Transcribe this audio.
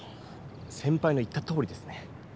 先ぱいの言ったとおりですね。